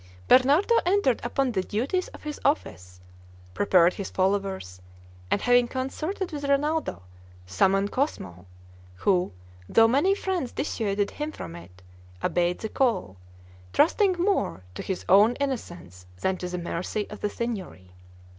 Bernardo entered upon the duties of his office, prepared his followers, and having concerted with Rinaldo, summoned Cosmo, who, though many friends dissuaded him from it, obeyed the call, trusting more to his own innocence than to the mercy of the Signory.